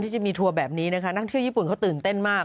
จะมีทัวร์แบบนี้นะคะนักเที่ยวญี่ปุ่นเขาตื่นเต้นมาก